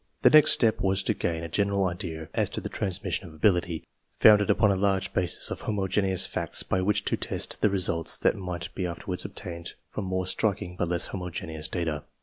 The next step was to gain a general idea as to the transmission of ability, founded upon a large basis of homogeneous facts by which to test the results that might be afterwards obtained from more striking but less homo geneous data.